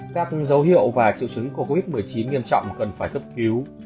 các dấu hiệu và triệu chứng của covid một mươi chín nghiêm trọng cần phải cấp cứu